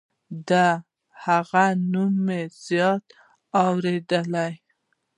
د هغه نوم مې زیات اوریدلی